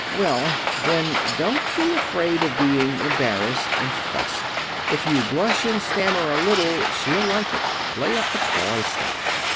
"Well, then, don't be afraid of being embarrassed and fussed. If you blush and stammer a little, she'll like it. Play up the coy stuff."